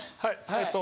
えっと